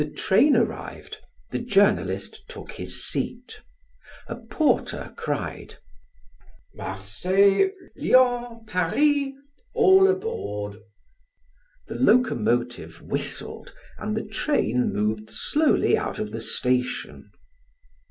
The train arrived, the journalist took his seat; a porter cried: "Marseilles, Lyons, Paris! All aboard!" The locomotive whistled and the train moved slowly out of the station.